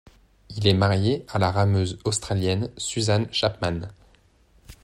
Il est marié à la rameuse australienne Susan Chapman.